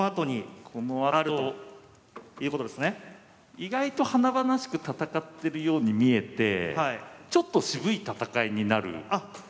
意外と華々しく戦ってるように見えてちょっと渋い戦いになる戦法なんですよ実は。